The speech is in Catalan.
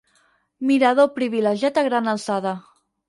Mirador privilegiat a gran alçada.